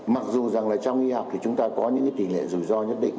mặc dù trong y học chúng ta có những tỷ lệ rủi ro nhất định